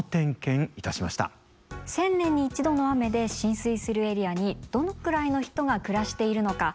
１０００年に１度の雨で浸水するエリアにどのくらいの人が暮らしているのか。